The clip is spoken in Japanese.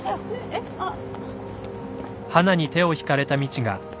えっ？あっ。